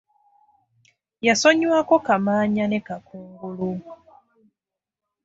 Yasonyiwako Kamaanya ne Kakungulu.